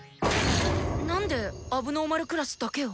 何で問題児クラスだけを？